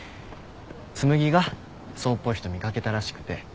紬が想っぽい人見掛けたらしくて。